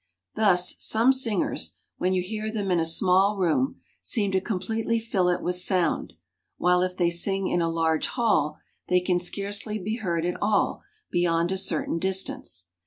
Thus, some singers, when you hear them in a small room, seem to completely fill it with sound, while if they sing in a large hall, they can scarcely be heard at all beyond a certain distance.